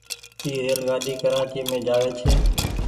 اي ريل گآڏي ڪرآچي مين جآوي ڇي۔